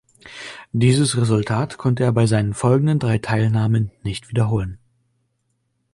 Dieses Resultat konnte er bei seinen folgenden drei Teilnahmen nicht wiederholen.